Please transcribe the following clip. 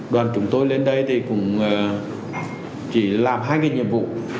đoàn chúng tôi lên đây thì cũng chỉ làm hai cái nhiệm vụ